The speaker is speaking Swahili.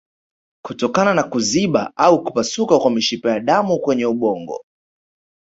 Kutokana na kuziba au kupasuka kwa mishipa ya damu kwenye ubongo